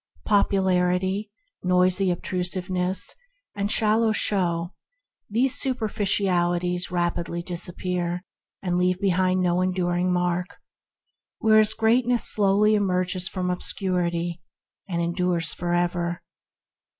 Popularity, noisy obtrusiveness, and shallow show, these superficialities rapidly disappear, and leave behind no enduring mark; whereas greatness slowly emerges from obscurity, and endures for ever.